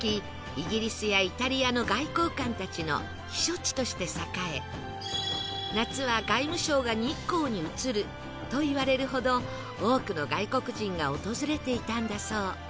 イギリスやイタリアの外交官たちの避暑地として栄え夏は外務省が日光に移るといわれるほど多くの外国人が訪れていたんだそう